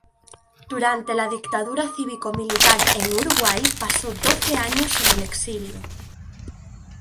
Durante la dictadura cívico-militar en Uruguay pasó doce años en el exilio.